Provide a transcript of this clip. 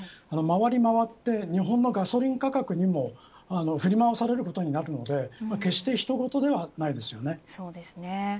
回り回って日本のガソリン価格にも振り回されることになるので決して他人事ではないですよね。